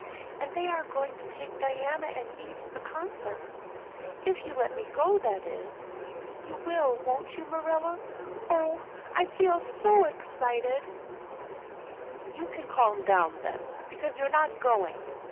And they are going to take Diana and me to the concert if you'll let me go, that is. You will, won't you, Marilla? Oh, I feel so excited." "You can calm down then, because you're not going.